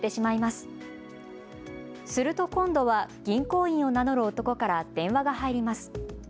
すると今度は銀行員を名乗る男から電話が入ります。